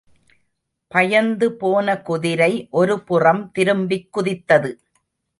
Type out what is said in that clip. பயந்து போன குதிரை, ஒருபுறம் திரும்பிக் குதித்தது.